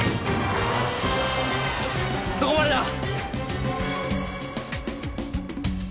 そこまでだ！